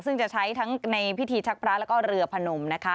ซึ่งจะใช้ทั้งในพิธีชักพระแล้วก็เรือพนมนะคะ